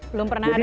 belum pernah ada ya